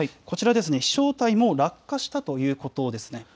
こちらですね、飛しょう体、もう、落下したということですね。